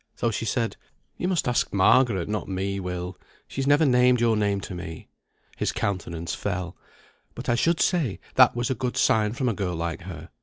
So she said "You must ask Margaret, not me, Will; she's never named your name to me." His countenance fell. "But I should say that was a good sign from a girl like her.